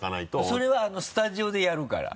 それはスタジオでやるから。